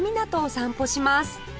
散歩します